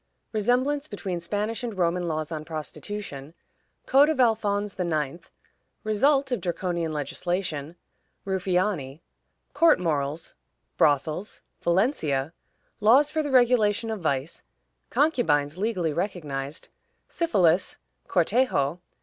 Resemblance between Spanish and Roman Laws on Prostitution. Code of Alphonse IX. Result of Draconian Legislation. Ruffiani. Court Morals. Brothels. Valencia. Laws for the Regulation of Vice. Concubines legally recognized. Syphilis. Cortejo.